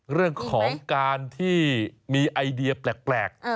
เรื่องของการที่มีไอเดียแปลก